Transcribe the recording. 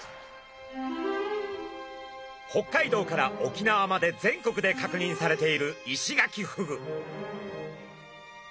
北海道から沖縄まで全国で確認されているイシガキフグ。